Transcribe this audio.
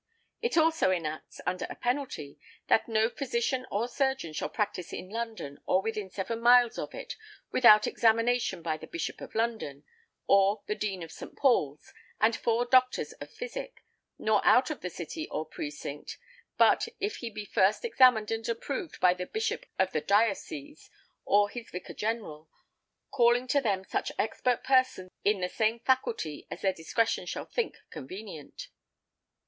It also enacts, under a penalty, that "no physician or surgeon shall practise in London, or within seven miles of it, without examination by the Bishop of London, or the Dean of St. Paul's, and four doctors of physic; nor out of the city, or precinct, but if he be first examined and approved by the bishop of the diocese, or his vicar general, calling to them such expert persons in the same faculty as their discretion shall think convenient."